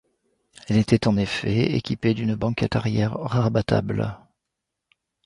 Elle était en effet équipée d'une banquette arrière rabattable.